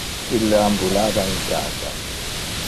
Ille ambulava in casa.